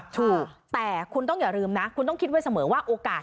ถูกแต่คุณต้องอย่าลืมนะคุณต้องคิดไว้เสมอว่าโอกาส